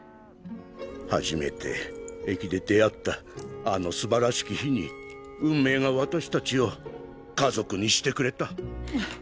初めて駅で出会ったあのすばらしき日に運命が私たちを家族にしてくれた。